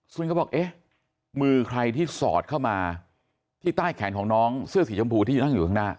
ซึ่งเขาบอกเอ๊ะมือใครที่สอดเข้ามาที่ใต้แขนของน้องเสื้อสีชมพูที่นั่งอยู่ข้างหน้า